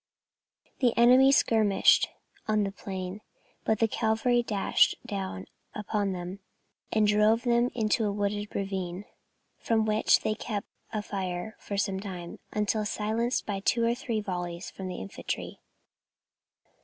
The enemy skirmished on the plain, but the Cavalry dashed down upon them and drove them into a wooded ravine, from which they kept up a fire for some time, until silenced by two or three volleys from the Infantry.